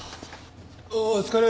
おうお疲れ。